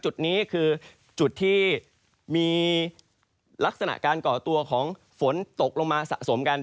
จุดนี้คือจุดที่มีลักษณะการก่อตัวของฝนตกลงมาสะสมกัน